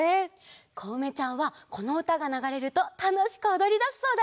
こうめちゃんはこのうたがながれるとたのしくおどりだすそうだよ。